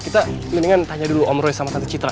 kita mendingan tanya dulu om roy sama tante citra